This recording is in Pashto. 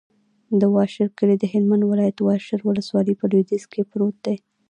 د واشر کلی د هلمند ولایت، واشر ولسوالي په لویدیځ کې پروت دی.